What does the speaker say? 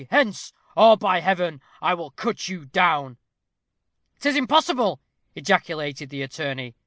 hence! or, by Heaven, I will cut you down!" "'Tis impossible," ejaculated the attorney.